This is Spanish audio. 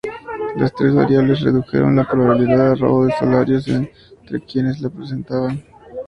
Las tres variables redujeron la probabilidad de robo de salarios entre quienes las presentaban.